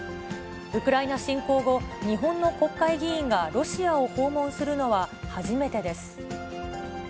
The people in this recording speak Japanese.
ウクライナ侵攻後、日本の国会議員がロシアを訪問するのは初めてです。